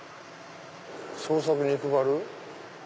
創作肉バル？